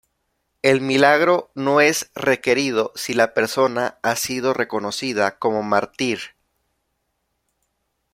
El milagro no es requerido si la persona ha sido reconocida como mártir.